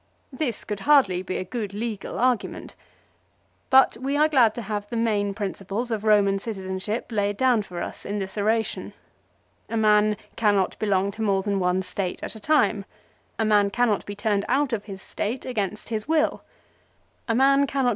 1 This could hardly be a good legal argument. But we are glad to have the main principles of Roman citizenship laid down for us in this oration. A man cannot belong to more than one State at a time. A man cannot be turned out of his State against his will. A man cannot be 1 Pro C. Balbo, ca.